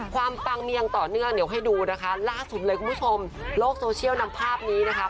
ปังมียังต่อเนื่องเดี๋ยวให้ดูนะคะล่าสุดเลยคุณผู้ชมโลกโซเชียลนำภาพนี้นะคะ